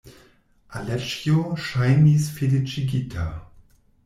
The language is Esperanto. Aleĉjo ŝajnis feliĉigita.